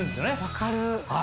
分かる。